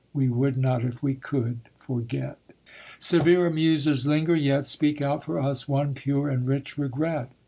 We would not, if we could, forget. Severer Muses, linger yet; Speak out for us one pure and rich regret.